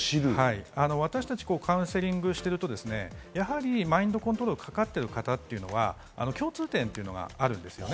私たちカウンセリングしていると、やはりマインドコントロールにかかっている方というのは共通点というのがあるんです。